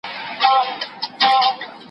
ما مخکي د ښوونځي کتابونه مطالعه کړي وو!؟